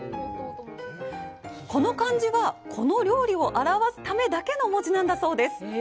この漢字は、この料理を表すためだけの文字なんだそうです。